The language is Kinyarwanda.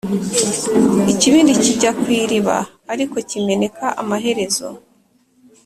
ikibindi kijya ku iriba ariko kimeneka amaherezo.